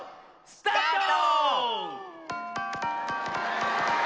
スタート！